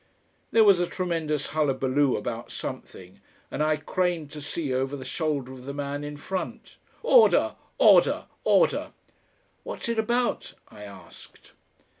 There was a tremendous hullaboo about something, and I craned to see over the shoulder of the man in front. "Order, order, order!" "What's it about?" I asked.